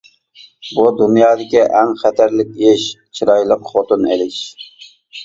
بۇ دۇنيادىكى ئەڭ خەتەرلىك ئىش: چىرايلىق خوتۇن ئېلىش.